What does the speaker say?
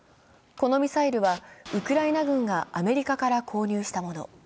このミサイルは、ウクライナ軍がアメリカから購入したもの。